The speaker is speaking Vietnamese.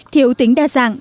thiểu tính đa dạng